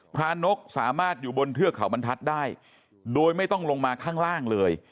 นกสามารถอยู่บนเทือกเขาบรรทัศน์ได้โดยไม่ต้องลงมาข้างล่างเลย